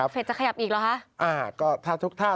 เฟสจะขยับอีกเหรอคะ